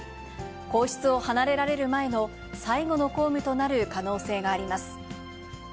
皇室を離れられる前の、最後の公務となる可能性があります。